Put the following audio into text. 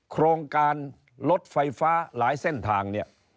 โครงการรถไฟฟ้าหลายเส้นทางเนี่ย